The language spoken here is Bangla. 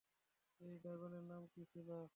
ঐ ড্রাগনের নাম কি ছিল?